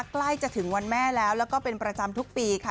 ใกล้จะถึงวันแม่แล้วแล้วก็เป็นประจำทุกปีค่ะ